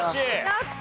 やった！